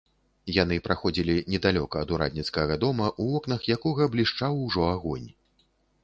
Яны праходзілі недалёка ад урадніцкага дома, у вокнах якога блішчаў ужо агонь.